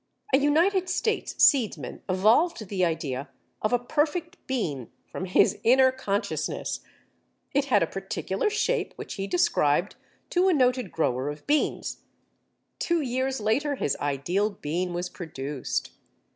A United States seedsman evolved the idea of a perfect bean from his inner consciousness. It had a particular shape which he described to a noted grower of beans. Two years later his ideal bean was produced!